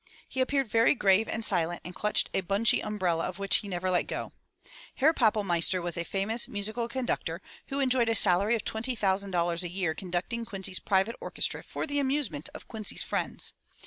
He appeared very grave and silent and clutched a bunchy umbrella of which he never let go. Herr 196 FROM THE TOWER WINDOW Pappelmeister was a famous musical conductor, who enjoyed a salary of twenty thousand dollars a year conducting Quincy's private orchestra for the amusement of Quincy's friends.